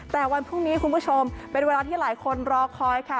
แต่วันพรุ่งนี้คุณผู้ชมเป็นเวลาที่หลายคนรอคอยค่ะ